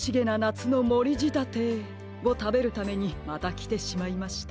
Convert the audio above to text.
つのもりじたてをたべるためにまたきてしまいました。